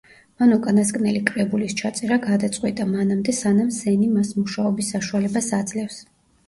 მან უკანასკნელი კრებულის ჩაწერა გადაწყვიტა, მანამდე სანამ სენი მას მუშაობის საშუალებას აძლევს.